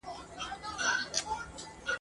سیال مو نه دي د نړۍ واړه قومونه !.